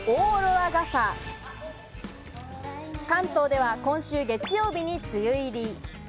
関東では今週月曜日に梅雨入り。